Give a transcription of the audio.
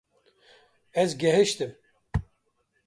Ez gehiştim